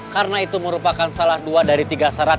karena itu merupakan salah dua dari tiga syarat